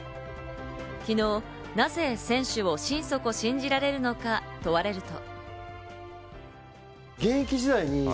昨日、なぜ選手を心底信じられるのか問われると。